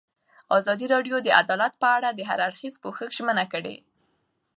ازادي راډیو د عدالت په اړه د هر اړخیز پوښښ ژمنه کړې.